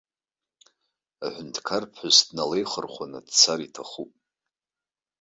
Аҳәынҭқарԥҳәыс дналеихырхәаны дцарц иҭахуп.